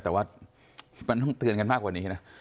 แต่ว่ามันต้องเตือนกันมากกว่านี้นะ